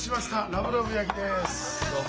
ラブラブ焼きです。